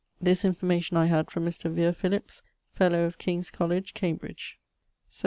This information I had from Mr. Vere Philips, fellow of King's College, Cambridge. _Notes.